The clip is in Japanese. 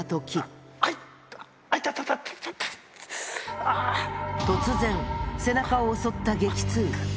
あっ、突然、背中を襲った激痛。